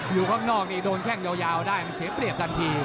อยู่ข้างนอกนี่โดนแข้งยาวได้มันเสียเปรียบทันที